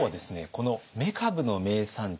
このめかぶの名産地